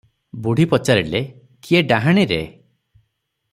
ବୁଢୀ ପଚାରିଲା - କିଏ ଡାହାଣୀରେ?